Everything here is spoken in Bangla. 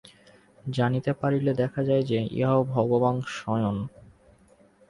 জানিতে পারিলে দেখা যায় যে, ইহাও ভগবান স্বয়ং।